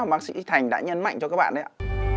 bác sĩ thành đã nhấn mạnh cho các bạn đấy ạ